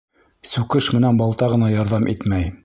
Сүкеш менән балта ғына ярҙам итмәй